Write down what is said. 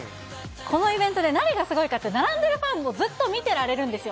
このイベントで何がすごいかって、並んでるファンもずっと見てられるんですよ。